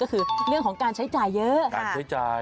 ก็คือเรื่องของการใช้จ่ายเยอะ